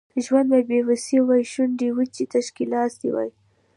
ژوند وای بې وسي وای شونډې وچې تش ګیلاس دي وای